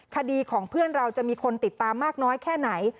คดีของเพื่อนเราจะมีคนติดตามมากน้อยแค่ไหน